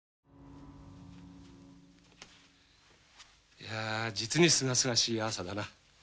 いや実にすがすがしい朝だな。